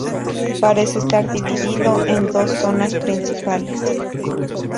Parece estar dividido en dos zonas principales.